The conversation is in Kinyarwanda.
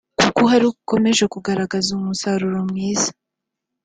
kuko uhari akomeje kugaragaza umusaruro mwiza